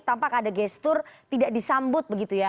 tampak ada gestur tidak disambut